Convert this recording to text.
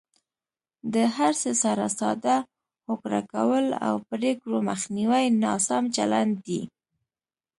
د هر څه سره ساده هوکړه کول او پرېکړو مخنیوی ناسم چلند دی.